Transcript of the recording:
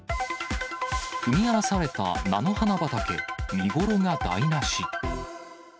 踏み荒らされた菜の花畑、見頃が台なし。